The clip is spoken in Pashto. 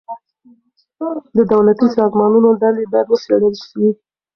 د دولتي سازمانونو دندي بايد وڅېړل سي.